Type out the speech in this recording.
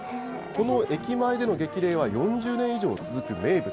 この駅前での激励は４０年以上続く名物。